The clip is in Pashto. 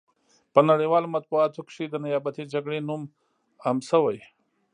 په نړیوالو مطبوعاتو کې د نیابتي جګړې نوم عام شوی.